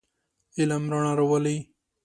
علم رڼا راولئ.